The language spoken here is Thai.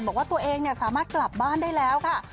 บอกว่าตัวเองสามารถกลับบ้านได้แล้วค่ะ